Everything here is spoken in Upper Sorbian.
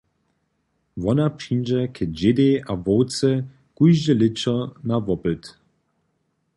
Wona přińdźe k dźědej a wowce kóžde lěćo na wopyt.